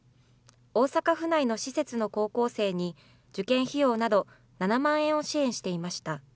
大阪府内の施設の高校生に、受験費用など７万円を支援していました。